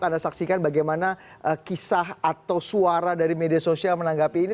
anda saksikan bagaimana kisah atau suara dari media sosial menanggapi ini